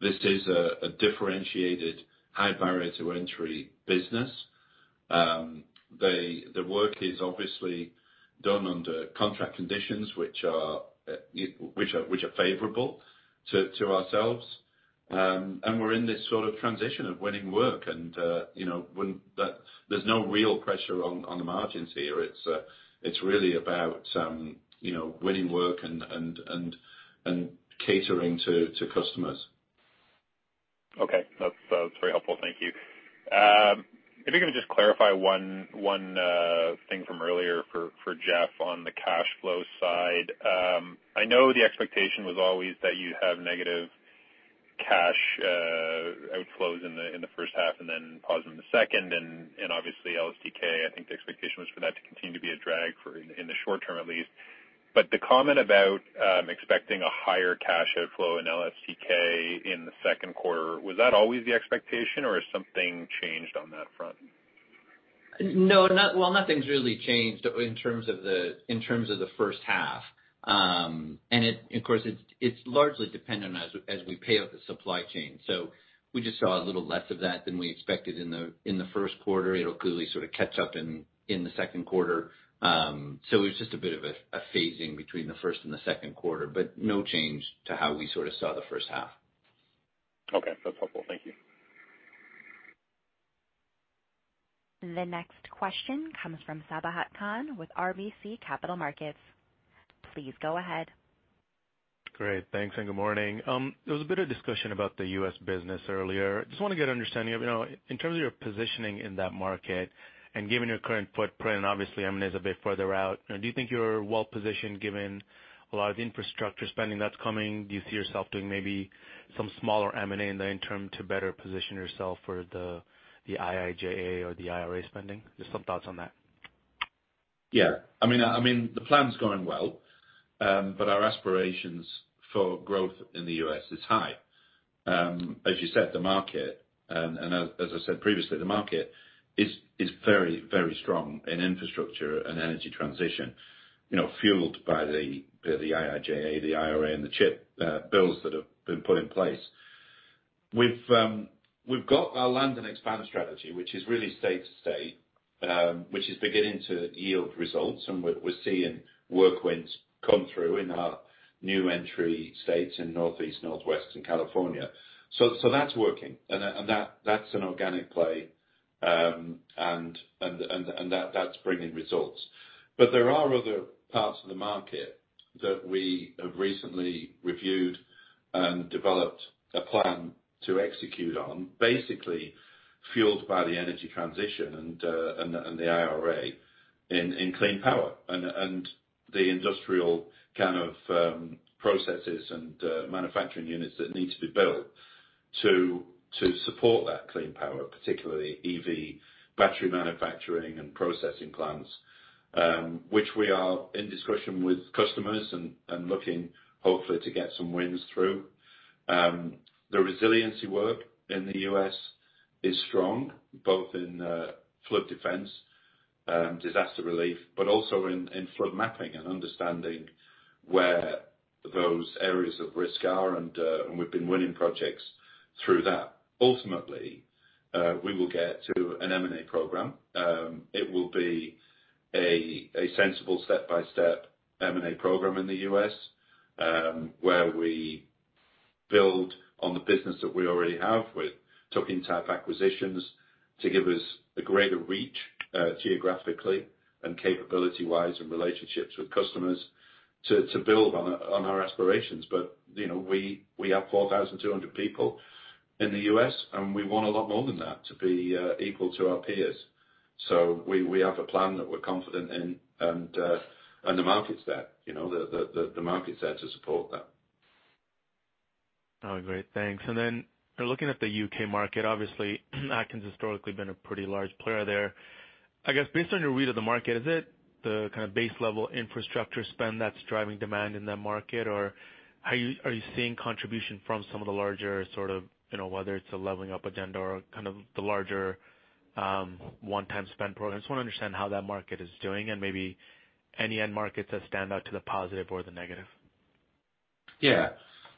this is a differentiated high barrier to entry business. The work is obviously done under contract conditions, which are favorable to ourselves. We're in this sort of transition of winning work and, you know, there's no real pressure on the margins here. It's really about, you know, winning work and catering to customers. Okay. That's very helpful. Thank you. If you could just clarify one thing from earlier for Jeff on the cash flow side. I know the expectation was always that you have negative cash outflows in the first half and then positive in the second. Obviously LSTK, I think the expectation was for that to continue to be a drag in the short term at least. The comment about expecting a higher cash outflow in LSTK in the second quarter, was that always the expectation or has something changed on that front? No, Well, nothing's really changed in terms of the, in terms of the first half. Of course, it's largely dependent as we pay off the supply chain. We just saw a little less of that than we expected in the, in the first quarter. It'll clearly sort of catch up in the second quarter. It was just a bit of a phasing between the first and the second quarter, but no change to how we sort of saw the first half. Okay. That's helpful. Thank you. The next question comes from Sabahat Khan with RBC Capital Markets. Please go ahead. Great. Thanks, and good morning. There was a bit of discussion about the U.S. business earlier. Just wanna get an understanding of, you know, in terms of your positioning in that market and given your current footprint, and obviously M&A is a bit further out, you know, do you think you're well-positioned given a lot of infrastructure spending that's coming? Do you see yourself doing maybe some smaller M&A in the interim to better position yourself for the IIJA or the IRA spending? Just some thoughts on that. Yeah. I mean, the plan's going well. Our aspirations for growth in the U.S. is high. As you said, the market, and as I said previously, the market is very, very strong in infrastructure and energy transition, you know, fueled by the IIJA, the IRA, and the CHIPS bills that have been put in place. We've got our land and expand strategy, which is really state to state, which is beginning to yield results, and we're seeing work wins come through in our new entry states in Northeast, Northwest, and California. That's working. That's an organic play. That's bringing results. There are other parts of the market that we have recently reviewed and developed a plan to execute on, basically fueled by the energy transition and the IRA in clean power and the industrial kind of processes and manufacturing units that need to be built to support that clean power, particularly EV battery manufacturing and processing plants, which we are in discussion with customers and looking hopefully to get some wins through. The resiliency work in the U.S. is strong, both in flood defense, disaster relief, but also in flood mapping and understanding where those areas of risk are, and we've been winning projects through that. Ultimately, we will get to an M&A program. It will be a sensible step-by-step M&A program in the U.S., where we build on the business that we already have with tuck-in type acquisitions to give us a greater reach geographically and capability-wise and relationships with customers to build on our aspirations. You know, we have 4,200 people in the U.S., and we want a lot more than that to be equal to our peers. We have a plan that we're confident in and the market's there, you know, the market's there to support that. Oh, great. Thanks. Looking at the U.K. market, obviously, Atkins historically been a pretty large player there. I guess, based on your read of the market, is it the kind of base level infrastructure spend that's driving demand in that market? Or are you seeing contribution from some of the larger sort of, you know, whether it's a leveling up agenda or kind of the larger one-time spend programs? Just wanna understand how that market is doing and maybe any end markets that stand out to the positive or the negative. Yeah.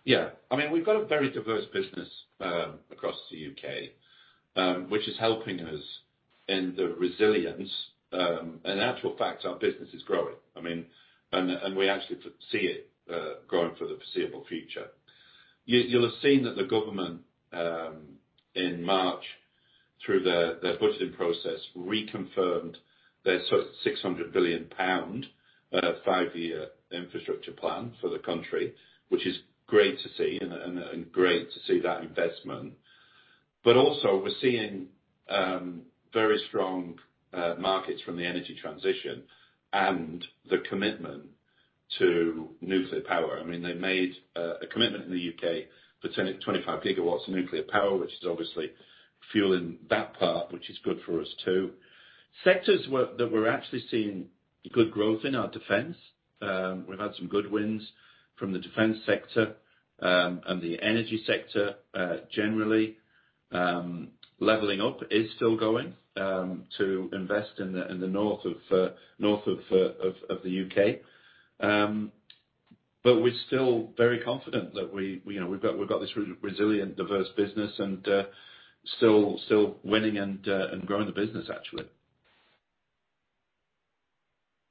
Yeah. I mean, we've got a very diverse business across the U.K., which is helping us in the resilience. In actual fact, our business is growing. I mean, and we actually see it growing for the foreseeable future. You'll have seen that the government in March, through their budgeting process, reconfirmed their sort of 600 billion pound five-year infrastructure plan for the country, which is great to see and great to see that investment. Also we're seeing very strong markets from the energy transition and the commitment to nuclear power. I mean, they made a commitme.nt in the U.K. for 25 GW of nuclear power, which is obviously fueling that part, which is good for us, too. Sectors that we're actually seeing good growth in are defense, we've had some good wins from the defense sector, and the energy sector, generally. Leveling up is still going to invest in the, in the north of, north of the U.K.. We're still very confident that we, you know, we've got, we've got this resilient, diverse business and, still winning and growing the business, actually.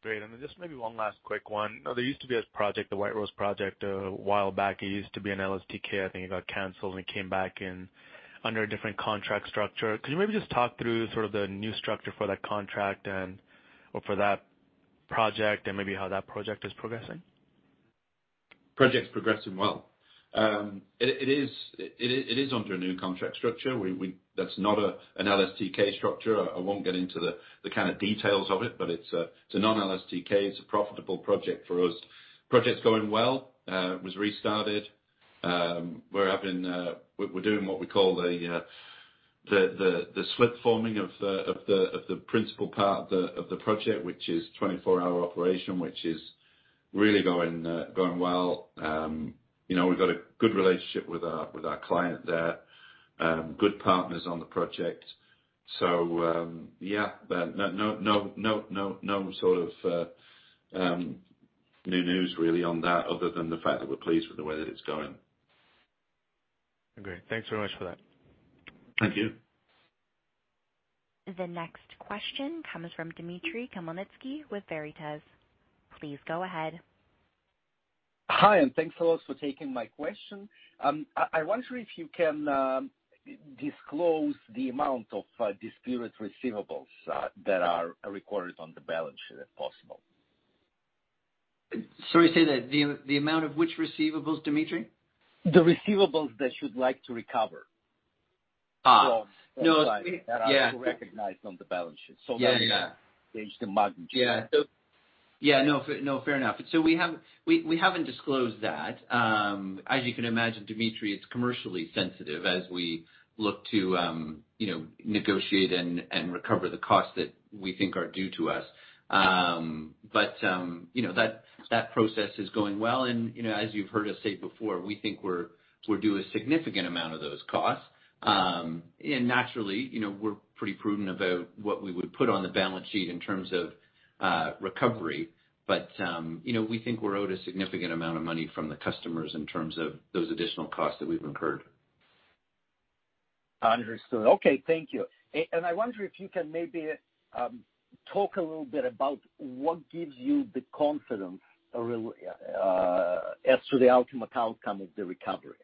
Great. Then just maybe one last quick one. There used to be a project, the White Rose project, a while back. It used to be an LSTK, I think it got canceled and it came back in under a different contract structure. Could you maybe just talk through sort of the new structure for that contract or for that project and maybe how that project is progressing? Project's progressing well. It is under a new contract structure. That's not an LSTK structure. I won't get into the kind of details of it, but it's a non-LSTK. It's a profitable project for us. Project's going well. It was restarted. We're doing what we call the slip forming of the principal part of the project, which is 24-hour operation, which is really going well. You know, we've got a good relationship with our client there, good partners on the project. Yeah, no sort of new news really on that other than the fact that we're pleased with the way that it's going. Great. Thanks very much for that. Thank you. The next question comes from Dimitry Khmelnitsky with Veritas. Please go ahead. Hi. Thanks a lot for taking my question. I wonder if you can disclose the amount of dispute receivables that are recorded on the balance sheet, if possible? Sorry to say that the amount of which receivables, Dimitry? The receivables that you'd like to recover. No, That are recognized on the balance sheet. Yeah, yeah. Just the magnitude. Yeah. Yeah. No, no, fair enough. We haven't disclosed` that. As you can imagine, Dimitry, it's commercially sensitive as we look to, you know, negotiate and recover the costs that we think are due to us. You know, that process is going well and, you know, as you've heard us say before, we think we're due a significant amount of those costs. Naturally, you know, we're pretty prudent about what we would put on the balance sheet in terms of recovery. You know, we think we're owed a significant amount of money from the customers in terms of those additional costs that we've incurred. Understood. Okay. Thank you. I wonder if you can maybe talk a little bit about what gives you the confidence as to the ultimate outcome of the recovery.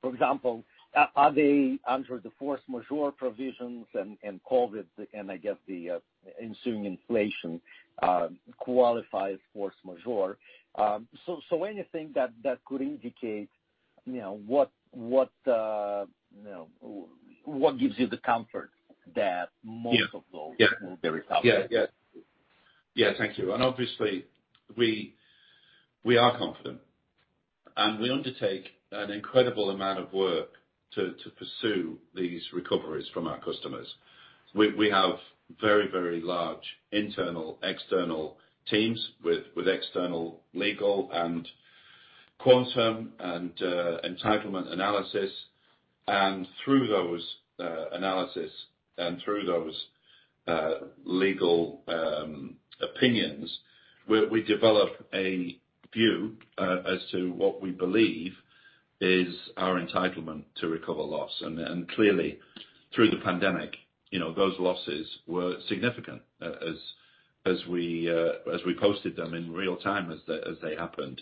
For example, are they under the force majeure provisions and COVID and I guess the ensuing inflation qualifies force majeure? So, anything that could indicate, you know, what, you know, what gives you the comfort that most of those- Yeah. will be recovered? Yeah, thank you. Obviously we are confident, and we undertake an incredible amount of work to pursue these recoveries from our customers. We have very large internal, external teams with external legal and quantum and entitlement analysis. Through those analysis and through those legal opinions, we develop a view as to what we believe is our entitlement to recover loss. Clearly through the pandemic, you know, those losses were significant as we posted them in real time as they happened.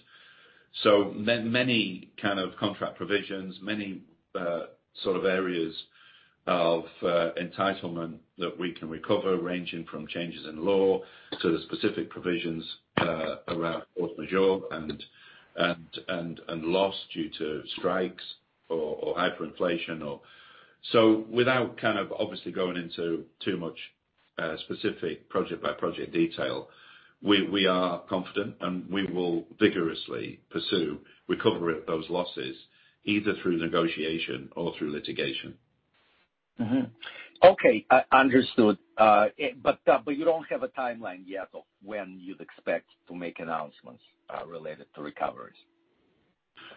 Many kind of contract provisions, many sort of areas of entitlement that we can recover, ranging from changes in law to the specific provisions around force majeure and loss due to strikes or hyperinflation or... Without kind of obviously going into too much specific project by project detail, we are confident and we will vigorously pursue recovery of those losses, either through negotiation or through litigation. Okay. Understood. You don't have a timeline yet of when you'd expect to make announcements related to recoveries?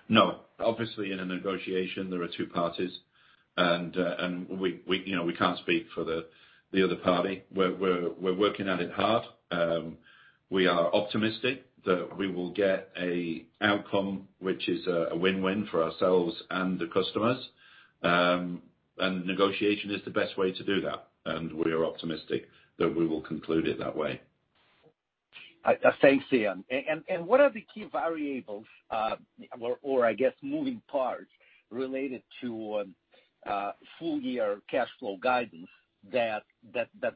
No. Obviously, in a negotiation, there are two parties, and we, you know, we can't speak for the other party. We're working at it hard. We are optimistic that we will get a outcome which is a win-win for ourselves and the customers. Negotiation is the best way to do that, and we are optimistic that we will conclude it that way. Thanks, Ian. What are the key variables, or I guess, moving parts related to full year cash flow guidance that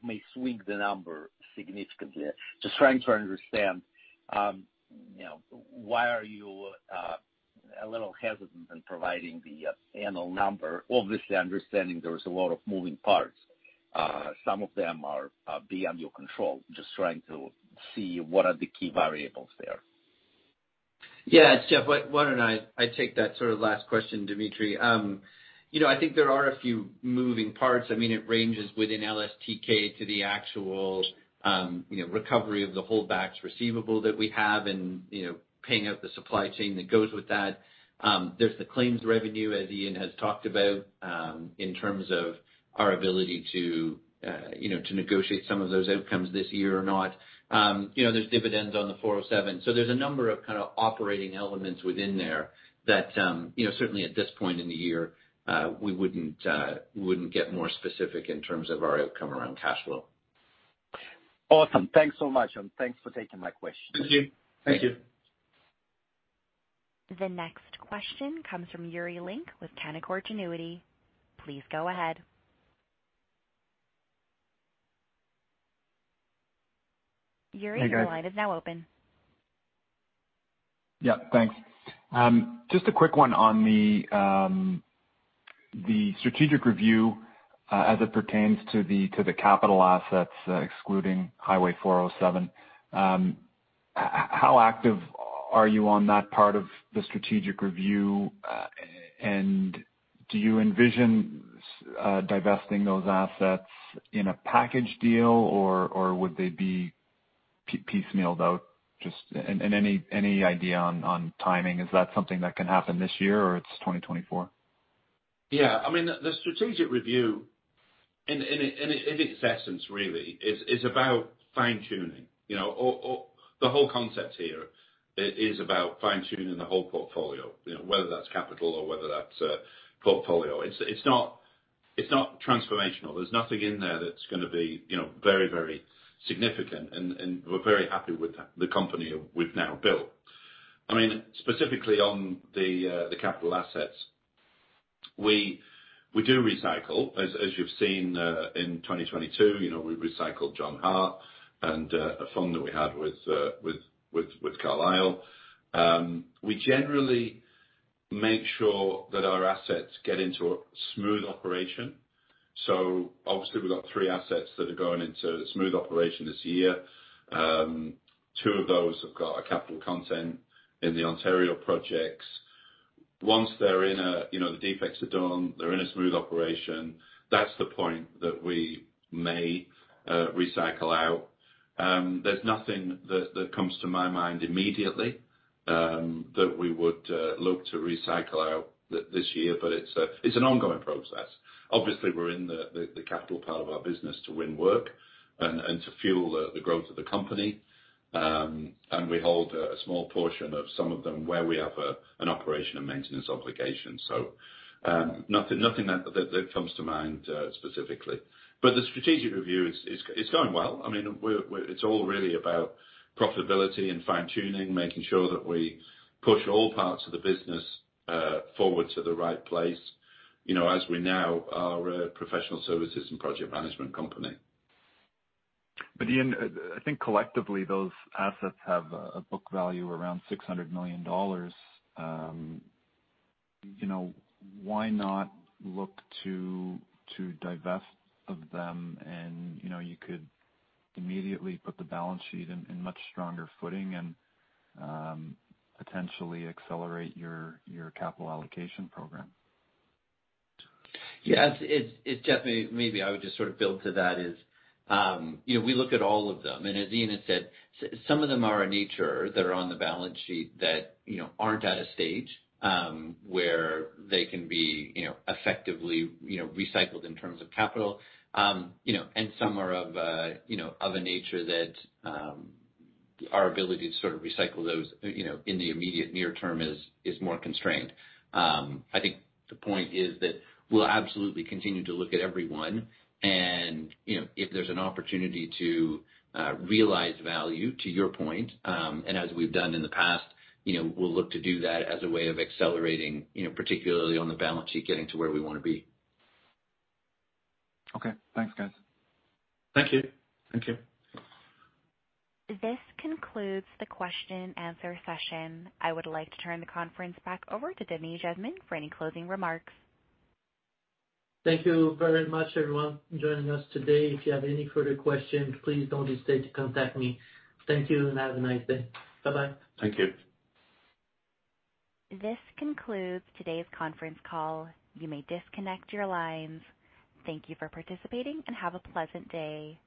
may swing the number significantly? Just trying to understand, you know, why are you a little hesitant in providing the annual number? Obviously, understanding there is a lot of moving parts. Some of them are beyond your control. Just trying to see what are the key variables there. Yeah, it's Jeff. Why don't I take that sort of last question, Dimitry. You know, I think there are a few moving parts. I mean, it ranges within LSTK to the actual, you know, recovery of the holdbacks receivable that we have and, you know, paying out the supply chain that goes with that. There's the claims revenue, as Ian has talked about, in terms of our ability to, you know, to negotiate some of those outcomes this year or not. You know, there's dividends on the 407. There's a number of kind of operating elements within there that, you know, certainly at this point in the year, we wouldn't get more specific in terms of our outcome around cash flow. Awesome. Thanks so much, and thanks for taking my questions. Thank you. Thank you. The next question comes from Yuri Lynk with Canaccord Genuity. Please go ahead. Hey, guys. Your line is now open. Thanks. Just a quick one on the strategic review as it pertains to the capital assets, excluding Highway 407. How active are you on that part of the strategic review? Do you envision divesting those assets in a package deal, or would they be piecemealed out? Any idea on timing? Is that something that can happen this year, or it's 2024? I mean, the strategic review in its essence really is about fine-tuning. You know, or the whole concept here is about fine-tuning the whole portfolio, you know, whether that's capital or whether that's portfolio. It's not transformational. There's nothing in there that's gonna be, you know, very significant and we're very happy with the company we've now built. I mean, specifically on the capital assets, we do recycle, as you've seen, in 2022. You know, we recycled John Hart and a fund that we had with Carlyle. We generally make sure that our assets get into a smooth operation. Obviously we've got three assets that are going into smooth operation this year. Two of those have got a capital content in the Ontario projects. Once they're in a, you know, the defects are done, they're in a smooth operation, that's the point that we may recycle out. There's nothing that comes to my mind immediately that we would look to recycle out this year. It's an ongoing process. Obviously, we're in the capital part of our business to win work and to fuel the growth of the company. We hold a small portion of some of them where we have an operation and maintenance obligation. Nothing that comes to mind specifically. The strategic review is going well. I mean, we're it's all really about profitability and fine-tuning, making sure that we push all parts of the business forward to the right place, you know, as we now are a professional services and project management company. Ian, I think collectively those assets have a book value around $600 million. You know, why not look to divest of them and, you know, you could immediately put the balance sheet in much stronger footing and potentially accelerate your capital allocation program? Yes. It's definitely, maybe I would just sort of build to that is, you know, we look at all of them. As Ian has said, some of them are in nature that are on the balance sheet that, you know, aren't at a stage, where they can be, you know, effectively, you know, recycled in terms of capital. You know, some are of, you know, of a nature that, our ability to sort of recycle those, you know, in the immediate near term is more constrained. I think the point is that we'll absolutely continue to look at every one and, you know, if there's an opportunity to realize value, to your point, and as we've done in the past, you know, we'll look to do that as a way of accelerating, you know, particularly on the balance sheet, getting to where we wanna be. Okay. Thanks, guys. Thank you. Thank you. This concludes the question and answer session. I would like to turn the conference back over to Denis Jasmin for any closing remarks. Thank you very much everyone for joining us today. If you have any further questions, please don't hesitate to contact me. Thank you, and have a nice day. Bye-bye. Thank you. This concludes today's conference call. You may disconnect your lines. Thank you for participating, and have a pleasant day.